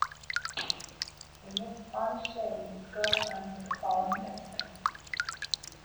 He meets Bonnie Shay, his girlfriend for the following episodes.